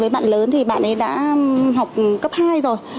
với bạn lớn thì bạn ấy đã học cấp hai rồi